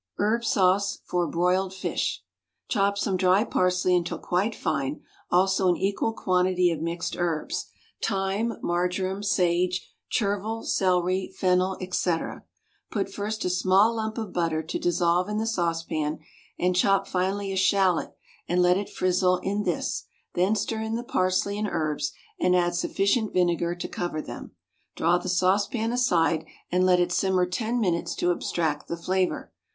=Herb Sauce: for Broiled Fish.= Chop some dry parsley until quite fine, also an equal quantity of mixed herbs thyme, marjoram, sage, chervil, celery, fennel, &c. Put first a small lump of butter to dissolve in the saucepan, and chop finely a shallot and let it frizzle in this, then stir in the parsley and herbs, and add sufficient vinegar to cover them. Draw the saucepan aside and let it simmer ten minutes to abstract the flavour.